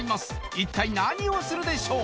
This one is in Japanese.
一体何をするでしょう？